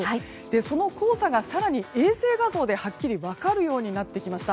その黄砂が更に衛星画像ではっきり分かるようになってきました。